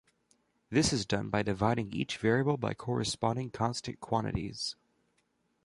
This is done by dividing each variable by corresponding constant quantities.